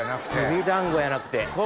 きび団子やなくて。